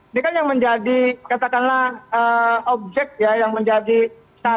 ini kan yang menjadi katakanlah objek ya yang menjadi syarat